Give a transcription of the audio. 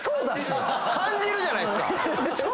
感じるじゃないっすか。